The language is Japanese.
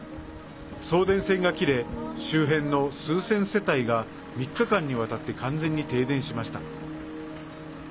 送電線が切れ、周辺の数千世帯が３日間にわたって完全に停電しました。